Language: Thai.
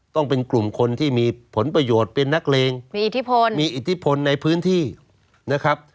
ต้องเป็นกลุ่มคนที่มีผลประโยชน์เป็นนักเลงมีอิทธิพลมีอิทธิพลในพื้นที่นะครับ